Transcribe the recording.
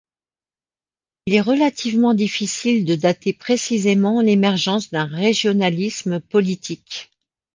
Il est relativement difficile de dater précisément l'émergence d'un régionalisme politique.